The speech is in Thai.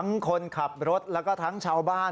ทั้งคนขับรถและก็ทั้งชาวบ้าน